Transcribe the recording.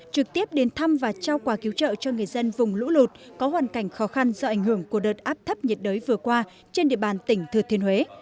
trực tiếp đến thăm và trao quà cứu trợ cho người dân vùng lũ lụt có hoàn cảnh khó khăn do ảnh hưởng của đợt áp thấp nhiệt đới vừa qua trên địa bàn tỉnh thừa thiên huế